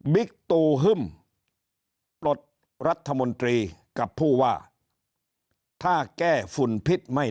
ตูฮึ่มปลดรัฐมนตรีกับผู้ว่าถ้าแก้ฝุ่นพิษไม่